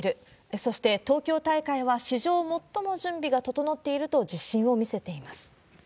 そして、東京大会は史上最も準備が整っていると自信を見せています。